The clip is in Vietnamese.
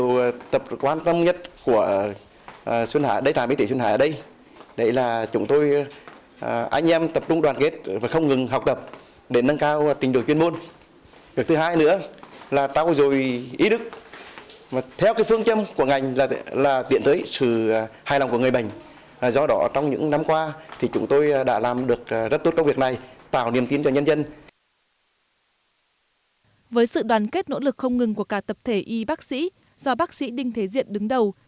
với sự đoàn kết nỗ lực không ngừng của cả tập thể y bác sĩ do bác sĩ đinh thế diện đứng đầu